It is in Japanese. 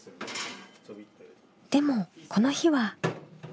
でもこの日は。